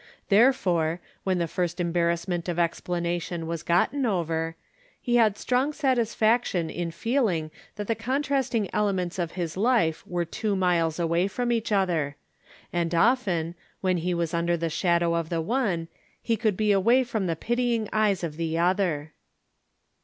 Therefore, when the first embarrass ment of explanation was gotten over, he had strong satisfaction in feeling that the contrasting elements of his life were two miles away from each other ; and often, when he was under the 272 From Different Standpoints. " 273 shadow of the one, he could be away from the pitying eyes of the other.